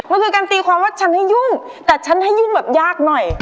มันคือการตีความว่าฉันให้ยุ่งแต่ฉันให้ยุ่งแบบยากหน่อย